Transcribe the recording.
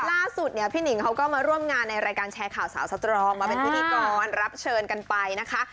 ล่าสุดเนี่ยพี่หนิงเขาก็มาร่วมงานในรายการแชร์ข่าวสาวสตรองมาเป็นพิธีกรรับเชิญกันไปนะคะ